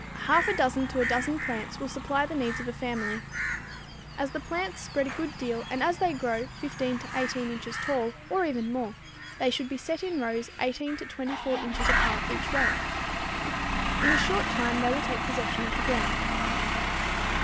Half a dozen to a dozen plants will supply the needs of a family. As the plants spread a good deal and as they grow 15 to 18 inches tall, or even more, they should be set in rows 18 to 24 inches apart each way. In a short time they will take possession of the ground.